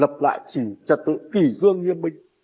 trật tự kỳ cương hiên bình